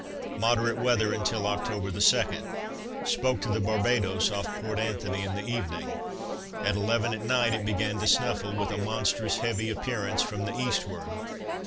Moderate weather until October the 2d. Spoke to the Barbadoes off Port Antonio in the evening. At eleven at night it began to snuffle, with a monstrous heavy appearance from the eastward.